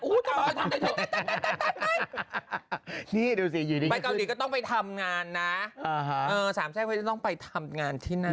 อุ้ยนี่ดูสิไปเกาหลีก็ต้องไปทำงานนะอ่าฮะเออสามแช่ก็จะต้องไปทำงานที่นั้น